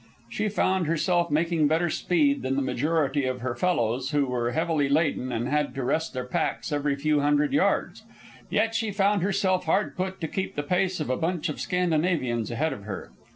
She found herself making better speed than the majority of her fellows, who were heavily laden and had to rest their packs every few hundred yards. Yet she found herself hard put to keep the pace of a bunch of Scandinavians ahead of her.